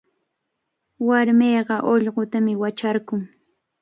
Warmiqa ullqutami wacharqun.